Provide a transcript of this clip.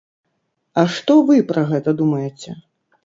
А што вы пра гэта думаеце?